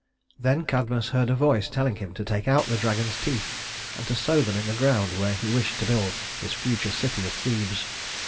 Then Cadmus heard a voice telling him to take out the dragon's teeth and to sow them in the ground where he wished to build his future city of Thebes.